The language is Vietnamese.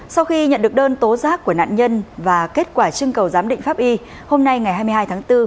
sau khi nhận được đơn tố giác của nạn nhân và kết quả trưng cầu giám định pháp y hôm nay ngày hai mươi hai tháng bốn